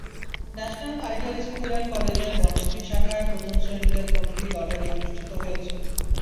National ideal school and কলেজের বনশ্রী শাখায় প্রথম শ্রেণিতে ভর্তির লটারি অনুষ্ঠিত হয়েছে।